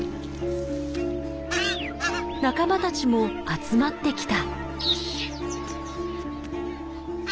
仲間たちも集まってきた。